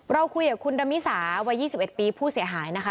เราคุยกับคุณดามิสาวัย๒๑ปีผู้เสียหายนะคะ